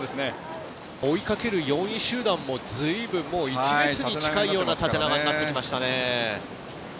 追いかける４位集団もずいぶん１列に近いような縦長になってきましたね。